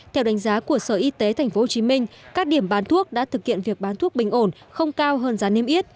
theo đánh giá của sở y tế tp hcm các điểm bán thuốc đã thực hiện việc bán thuốc bình ổn không cao hơn giá niêm yết